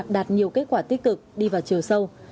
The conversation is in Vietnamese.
đạt nhiều kết quả tích cực đi vào chiều sâu